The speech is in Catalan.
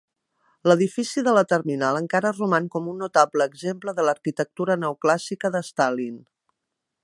L'edifici de la terminal encara roman com un notable exemple de l'arquitectura neoclàssica de Stalin.